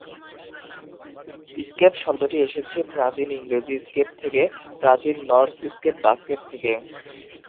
'Escape' শব্দটি এসেছে প্রাচীন ইংরেজি 'স্কেপ' থেকে, প্রাচীন নর্স স্কেপ 'বাস্কেট' থেকে।